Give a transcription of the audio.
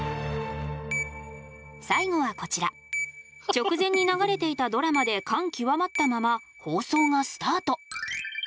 直前に流れていたドラマで感極まったまま放送がスタート。